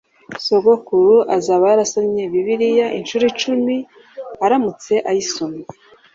Sogokuru azaba yarasomye Bibiliya inshuro icumi aramutse ayisomye.